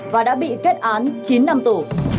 và đã bị kết án chín năm tù